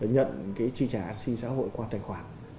nhận chi trả an sinh xã hội qua tài khoản